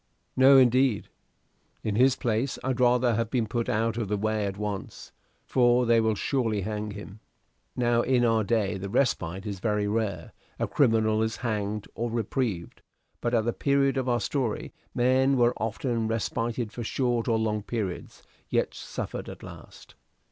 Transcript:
"No, indeed. In his place, I'd rather have been put out of the way at once; for they will surely hang him." Now in our day the respite is very rare: a criminal is hanged or reprieved. But at the period of our story men were often respited for short or long periods, yet suffered at last.